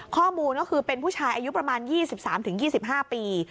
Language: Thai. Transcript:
ข้อมูลก็คือเป็นผู้ชายอายุประมาณ๒๓๒๕ปี